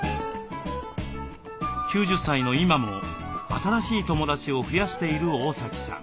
９０歳の今も新しい友だちを増やしている大崎さん。